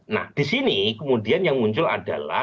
nah di sini kemudian yang muncul adalah